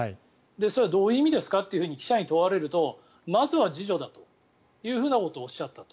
それはどういう意味ですかと記者に問われるとまずは自助だということをおっしゃったと。